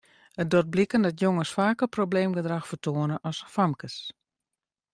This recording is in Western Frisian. It docht bliken dat jonges faker probleemgedrach fertoane as famkes.